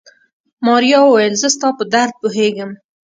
ماريا وويل زه ستا په درد پوهېږم.